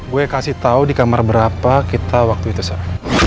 gue kasih tau di kamar berapa kita waktu itu saya